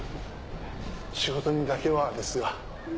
「仕事にだけは」ですが。